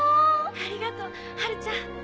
ありがとうハルちゃん！